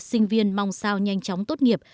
sinh viên mong sao nhanh chóng tốt nghiệp